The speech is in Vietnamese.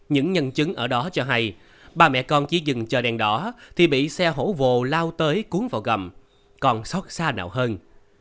những nhân chứng ở đó cho hay bà mẹ con chỉ dừng chờ đèn đỏ thì bị xe hổ vồ lao tới cuốn vào gầm còn xót xa nào hơn